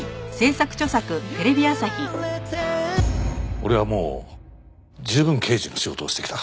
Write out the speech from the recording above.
俺はもう十分刑事の仕事をしてきた。